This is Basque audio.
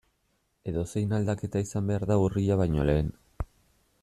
Edozein aldaketa izan behar da urria baino lehen.